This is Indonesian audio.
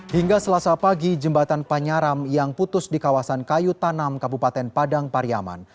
hingga selasa pagi jembatan panyaram yang putus di kawasan kayu tanam kabupaten padang pariaman